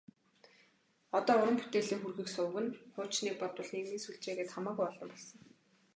Одоо уран бүтээлээ хүргэх суваг нь хуучныг бодвол нийгмийн сүлжээ гээд хамаагүй олон болсон.